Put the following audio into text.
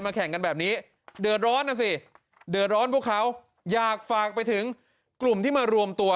แข่งกันแบบนี้เดือดร้อนนะสิเดือดร้อนพวกเขาอยากฝากไปถึงกลุ่มที่มารวมตัว